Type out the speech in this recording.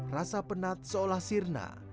rasa penat seolah sirna